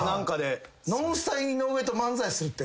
ノンスタ井上と漫才するって。